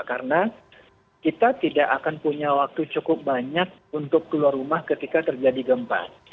karena kita tidak akan punya waktu cukup banyak untuk keluar rumah ketika terjadi gempa